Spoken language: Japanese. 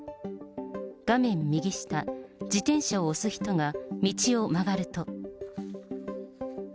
画面右下、自転車を押す人が道を曲がると。